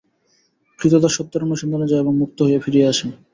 ক্রীতদাস সত্যের অনুসন্ধানে যায়, এবং মুক্ত হইয়া ফিরিয়া আসে।